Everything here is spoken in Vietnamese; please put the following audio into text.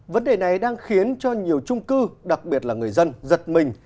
vấn đề này đang khiến cho nhiều trung cư đặc biệt là người dân giật mình